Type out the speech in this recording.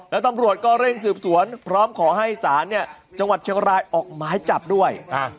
แล้วตำรวจก็เร่งสืบสวนพร้อมขอให้ศาลจังหวัดเชียงรายออกหมายจับด้วย